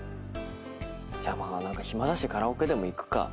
まあ何か暇だしカラオケでも行くか。